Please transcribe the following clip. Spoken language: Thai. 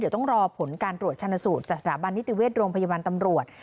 เดี๋ยวต้องรอผลการตรวจชั่นสุทธิ์จัดสรรบันนิตรวรรษโรงพยาบาลตำรวจ